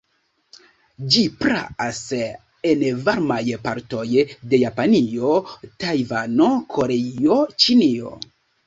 Ĝi praas en varmaj partoj de Japanio, Tajvano, Koreio, Ĉinio.